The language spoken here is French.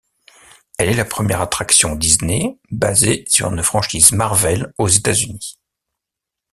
Elle est la première attraction Disney basée sur une franchise Marvel aux États-Unis.